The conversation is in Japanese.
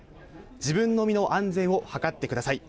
自分の身の安全を図ってください。